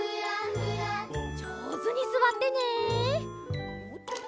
じょうずにすわってね！